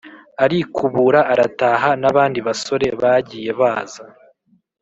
arikubura arataha. n’abandi basore bagiye baza